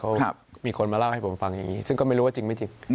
เพราะมีคนมาเล่าให้ผมฟังอย่างนี้ซึ่งก็ไม่รู้ว่าจริงไม่จริง